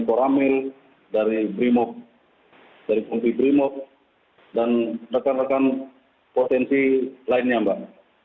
poramil dari bremob dari kumpi bremob dan rekan rekan potensi lainnya mbak